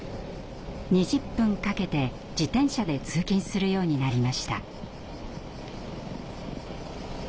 ２０分かけて自転車で通勤するようになりました。